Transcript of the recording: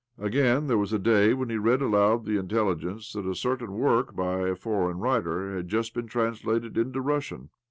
Again, there was a iday when he read aloud the intelligence that a certain work by a foreign writer had just been translated into Russian.